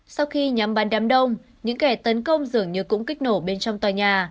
sau khi nhắm bàn đám đông những kẻ tấn công dường như cũng kích nổ bên trong tòa nhà